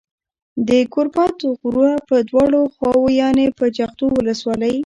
د گوربت غروه په دواړو خواوو يانې په جغتو ولسوالۍ